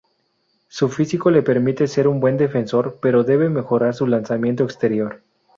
Su físico le permite ser un buen defensor, pero debe mejorar su lanzamiento exterior.